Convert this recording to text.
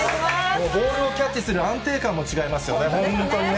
ボールをキャッチする安定感も違いますよね、本当にね。